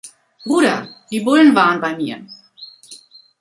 Bruder, die Bullen waren bei mir.